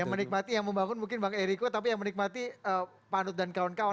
yang menikmati yang membangun mungkin bang eriko tapi yang menikmati panut dan kawan kawan